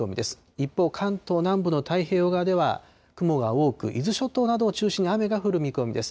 一方、関東南部の太平洋側では雲が多く、伊豆諸島などを中心に雨が降る見込みです。